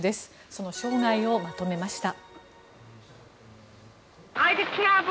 その生涯をまとめました。